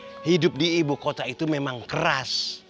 karena hidup di ibu kota itu memang keras